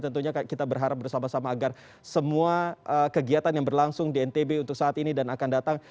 tentunya kita berharap bersama sama agar semua kegiatan yang berlangsung di ntb untuk saat ini dan akan datang